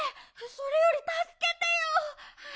それよりたすけてよ。